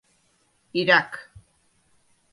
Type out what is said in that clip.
Iraq.